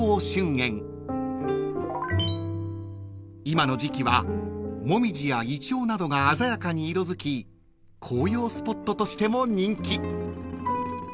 ［今の時季は紅葉やイチョウなどが鮮やかに色づき紅葉スポットとしても人気］